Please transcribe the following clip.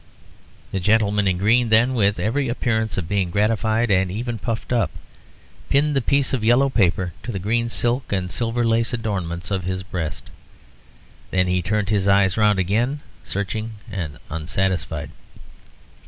The gentleman in green, then, with every appearance of being gratified, and even puffed up, pinned the piece of yellow paper to the green silk and silver lace adornments of his breast. Then he turned his eyes round again, searching and unsatisfied.